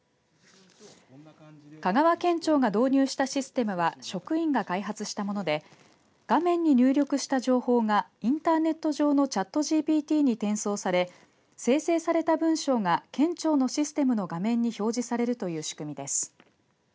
香川県庁が導入したシステムは職員が開発したもので画面に入力した情報がインターネット上のチャットＧＰＴに転送され生成された文章が県庁のシステムの画面に表示されるという仕組みです。